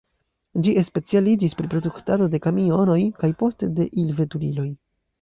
Ĝi specialiĝis pri produktado de kamionoj kaj poste de il-veturiloj.